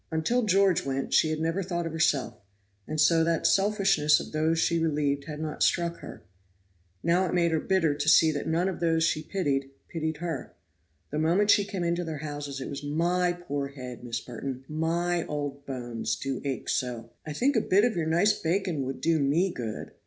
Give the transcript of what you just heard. Until George went she had never thought of herself; and so the selfishness of those she relieved had not struck her. Now it made her bitter to see that none of those she pitied, pitied her. The moment she came into their houses it was, "My poor head, Miss Merton; my old bones do ache so." "I think a bit of your nice bacon would do ME good.